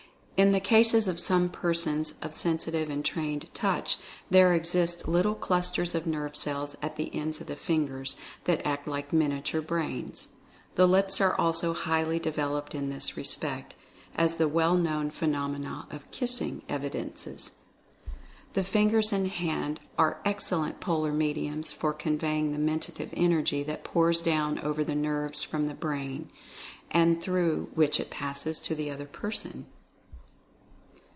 In the cases of some persons of sensitive and trained touch, there exist little clusters of nerve cells at the ends of the fingers, that act like miniature brains. The lips are also highly developed in this respect, as the well known phenomena of "kissing" evidences. The fingers and hand are excellent polar mediums for conveying the Mentative Energy that pours down over the nerves from the Brain, and through which it passes to the other person.